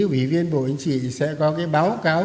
ủy viên bộ chính trị sẽ có cái báo cáo